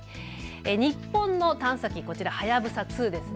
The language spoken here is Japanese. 日本の探査機はやぶさ２。